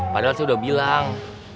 padahal saya udah bilang